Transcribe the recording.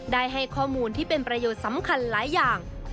ได้ให้ข้อมูลที่เป็นประโยชน์สำคัญหลายอย่าง